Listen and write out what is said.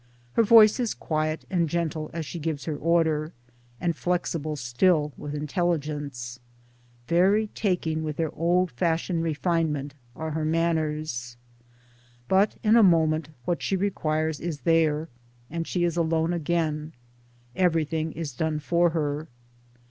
Her voice is quiet and gentle as she gives her order, and flexible still with intelligence; very taking with their old fashioned refinement are her manners ; But in a moment what she requires is there, and she is alone again — everything is done for her.